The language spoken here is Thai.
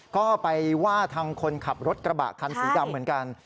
ก็ไปว่าทางคนขับรถกระบะคันสีดำเหมือนกัน